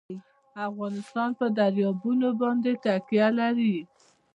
افغانستان په دریابونه باندې تکیه لري.